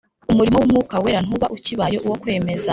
Umurimo w'Umwuka Wera ntuba ukibaye uwo kwemeza.